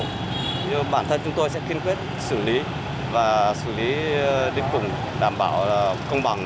nhưng bản thân chúng tôi sẽ kiên quyết xử lý và xử lý đến cùng đảm bảo công bằng